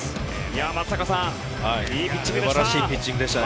松坂さん、素晴らしいピッチングでした。